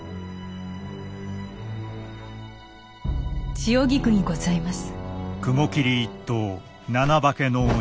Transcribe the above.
千代菊にございます。